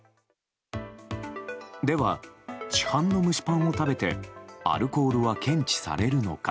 では、市販の蒸しパンを食べてアルコールは検知されるのか。